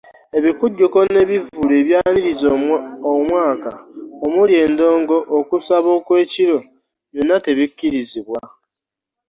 “Ebikujjuko n'ebivvulu ebyaniriza omwaka omuli endongo, okusaba okw'ekiro byonna tebikkirizibwa"